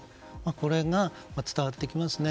これが伝わってきますね。